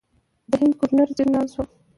د هند ګورنر جنرال شوم.